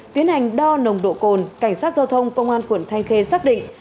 tiến hành đo nồng độ cồn cảnh sát giao thông công an quận thanh khê xác định